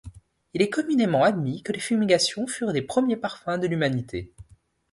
Il est communément admis que les fumigations furent les premiers parfums de l'humanité.